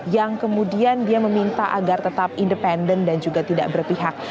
yang kemudian dia meminta agar tetap independen dan juga tidak berpihak